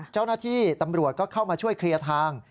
เจ้าหน้าที่ตำรวจก็เข้ามาช่วยเคลียร์ทาง